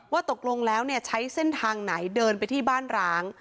ว่าตกลงแล้วใช้เส้นทางไหนเดินไปที่บ้านร้าง